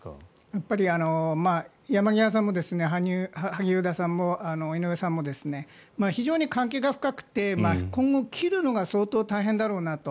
やっぱり山際さんも萩生田さんも井上さんも非常に関係が深くて今後、切るのが相当大変だろうなと。